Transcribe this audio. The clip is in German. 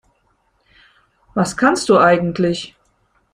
Was kannst du eigentlich?